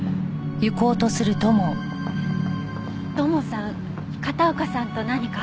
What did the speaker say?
土門さん片岡さんと何かあったの？